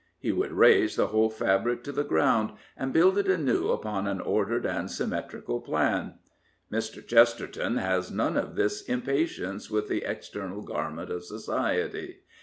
He would raze the whole fabric to the ground, and build it anew upon an ordered and sjTnmetrical plan. Mr. Chesterton has none of this impatience with the external garment of society.